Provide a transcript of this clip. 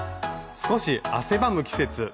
少し汗ばむ季節。